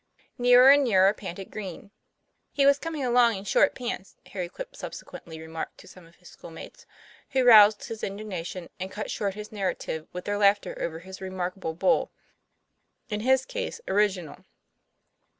Nearer and nearer panted Green. ' He was com ing along in short pants," Harry Quip subsequently remarked to some of his schoolmates; who roused his indignation and cut short his narrative with their laughter over his remarkable bull in his case, orig inal.